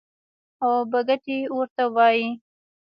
او بګتۍ ورته وايي.